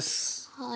はい。